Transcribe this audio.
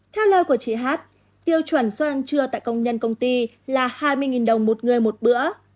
theo lời của chị h h tiêu chuẩn sau ăn trưa tại công nhân công ty là hai mươi đồng một người một bữa